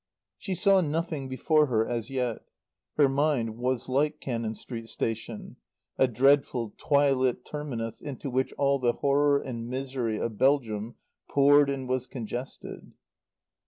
She saw nothing before her as yet. Her mind was like Cannon Street Station a dreadful twilit terminus into which all the horror and misery of Belgium poured and was congested.